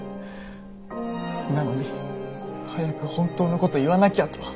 なのに早く本当の事言わなきゃと。